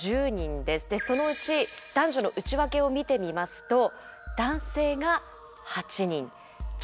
でそのうち男女の内訳を見てみますと男性が８人女性が２人。